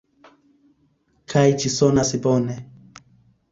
Kaj ĝi sonas bone.